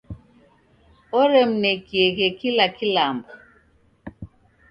Oremnekieghe kila kilambo.